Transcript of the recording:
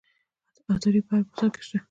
عطاري په هر بازار کې شته.